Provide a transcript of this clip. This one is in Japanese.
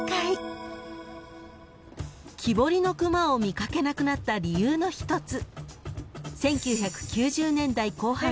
［木彫りの熊を見掛けなくなった理由の一つ］